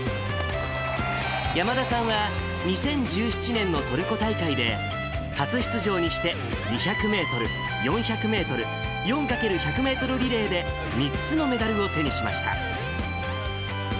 山田さんは、２０１７年のトルコ大会で、初出場にして２００メートル、４００メートル、４×１００メートルリレーで３つのメダルを手にしました。